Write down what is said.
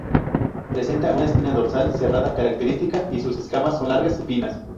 Presenta una espina dorsal cerrada característica y sus escamas son largas y finas.